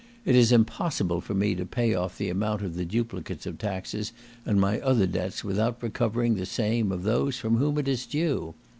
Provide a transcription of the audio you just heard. It is impossible for me to pay off the amount of the duplicates of taxes and my other debts without recovering the same of those from whom it is due.